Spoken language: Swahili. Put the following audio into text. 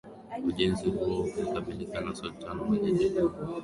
Ujenzi huo ulikamilika na Sultani Majid bin Said kuhamia Dar es Salaam mwaka huo